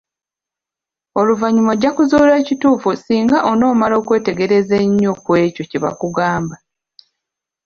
Oluvannyuma ojja kuzuula ekituufu singa onoomala okwetegereza ennyo ku ekyo kye bakugamba.